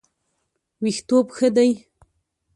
ویښتوب ښه دی.